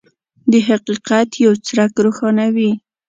د حقیقت یو څرک روښانوي.